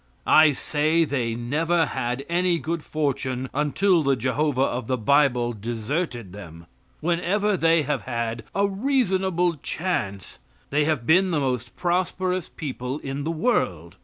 I say they never had any good fortune until the Jehovah of the bible deserted them. Whenever they have had a reasonable chance they have been the most prosperous people in the world.